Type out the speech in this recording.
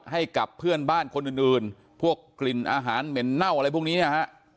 ให้กับเพื่อนบ้านคนอื่นพวกกลิ่นอาหารเหม็นเน่าอะไรพวกนี้เนี่ยฮะ